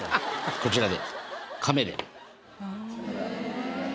こちらで。